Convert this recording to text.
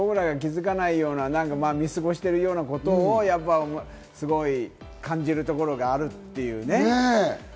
僕らが気づかないような見過ごしているようなことをすごい感じるところがあるっていうね。